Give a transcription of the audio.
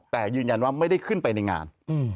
แต่ยืนยันว่าไม่ได้ขึ้นไปในงาน